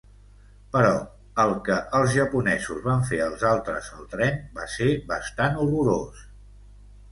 Però el que els japonesos van fer als altres al tren va ser bastant horrorós.